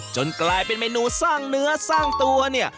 กลายเป็นเมนูสร้างเนื้อสร้างตัวเนี่ย